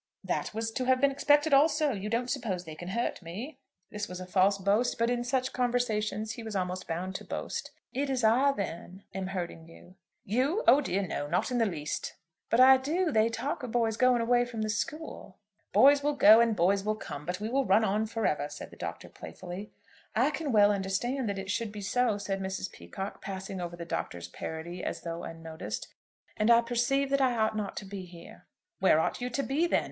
"That was to have been expected also. You don't suppose they can hurt me?" This was a false boast, but in such conversations he was almost bound to boast. "It is I, then, am hurting you?" "You; oh dear, no; not in the least." "But I do. They talk of boys going away from the school." "Boys will go and boys will come, but we run on for ever," said the Doctor, playfully. "I can well understand that it should be so," said Mrs. Peacocke, passing over the Doctor's parody as though unnoticed; "and I perceive that I ought not to be here." "Where ought you to be, then?"